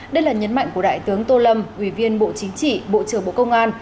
đây là nhấn mạnh của đại tướng tô lâm ủy viên bộ chính trị bộ trưởng bộ công an